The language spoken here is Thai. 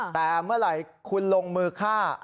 แต่เมื่อไหร่คุณลงมือฆ่า